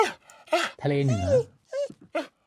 ทะเลเหนือ